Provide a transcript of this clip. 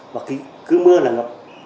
và cứ mưa là ngập